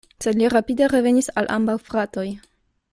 Sed li rapide revenis al ambaŭ fratoj.